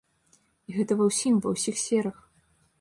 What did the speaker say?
І гэта ва ўсім, ва ўсіх сферах.